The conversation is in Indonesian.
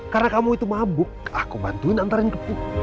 karena kamu itu mabuk aku bantuin antarin ke